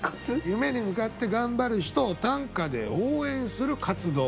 夢に向かって頑張る人を短歌で応援する活動。